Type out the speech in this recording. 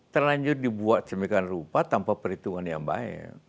terlanjur dibuat semikian rupa tanpa perhitungan yang baik